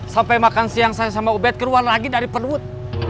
sampai makan siang saya sama ubed keluar lagi dari perut